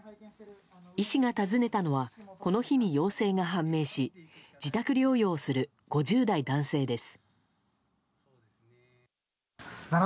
医師が訪ねたのはこの日に陽性が判明し自宅療養をする５０代男性です。